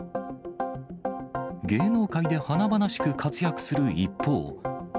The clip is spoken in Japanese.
芸能界で華々しく活躍する一方。